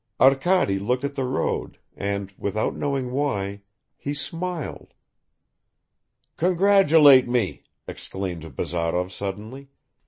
Arkady looked at the road, and, without knowing why, he smiled. "Congratulate me," exclaimed Bazarov suddenly.